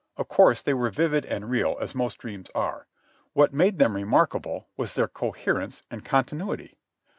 Of course they were vivid and real, as most dreams are. What made them remarkable was their coherence and continuity.